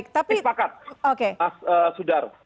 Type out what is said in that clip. dispakat mas sudar